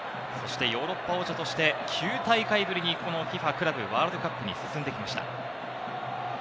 ヨーロッパ王者として９大会ぶりにこのＦＩＦＡクラブワールドカップに進んできました。